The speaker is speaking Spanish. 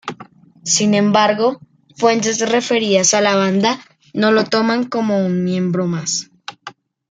Sin embargo, fuentes referidas a la banda no lo toman como un miembro más.